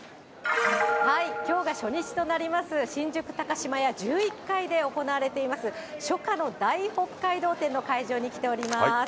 きょうが初日となります、新宿高島屋１１階で行われています、初夏の大北海道展の会場に来ております。